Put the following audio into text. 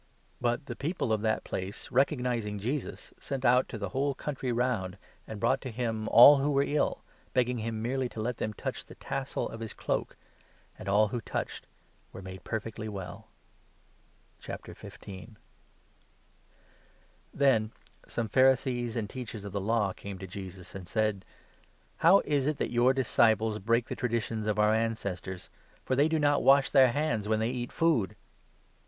But the people of that place, recog 35 nizing Jesus, sent out to the whole country round, and brought to him all who were ill, begging him merely to let them touch 36 the tassel of his cloak ; and all who touched were made perfectly well. Then some Pharisees and Teachers of the Law i 15 Theb?amed °" came to Jesus, and said : for neglecting " How is it that your disciples break the tra 2 ceremonies, ditions of our ancestors ? For they do not wash their hands when they eat food."